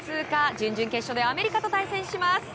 準々決勝ではアメリカと対戦します。